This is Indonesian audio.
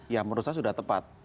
ya menurut saya sudah tepat